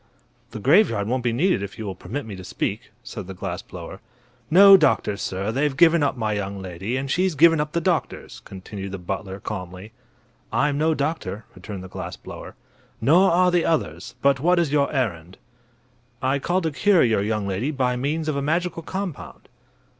"The graveyard won't be needed if you will permit me to speak," said the glass blower. "No doctors, sir; they've given up my young lady, and she's given up the doctors," continued the butler, calmly. "I'm no doctor," returned the glass blower. "Nor are the others. But what is your errand?" "I called to cure your young lady by means of a magical compound."